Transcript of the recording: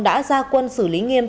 đã ra quân xử lý nghiêm